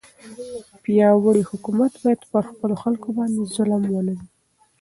پیاوړی حکومت باید پر خپلو خلکو باندې ظالم نه وي.